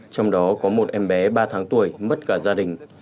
trong đó có một em bé ba tháng tuổi mất cả gia đình